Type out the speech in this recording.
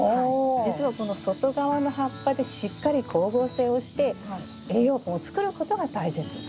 実は外側の葉っぱでしっかり光合成をして栄養分を作ることが大切。